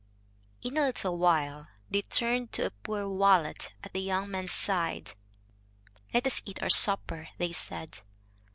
In a little while they turned to a poor wallet at the young man's side. "Let us eat our supper," they said.